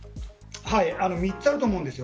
３つあると思うんです。